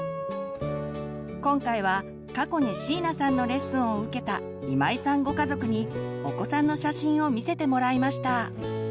今回は過去に椎名さんのレッスンを受けた今井さんご家族にお子さんの写真を見せてもらいました。